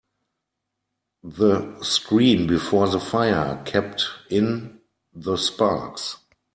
The screen before the fire kept in the sparks.